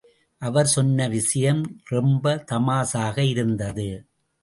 அவர் சொன்ன விஷயம் ரொம்ப தமாஷாக இருந்தது.